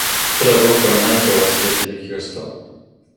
ただ、僕は何かを忘れている気がした